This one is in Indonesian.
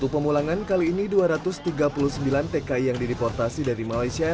pemulangan kali ini dua ratus tiga puluh sembilan tki yang dideportasi dari malaysia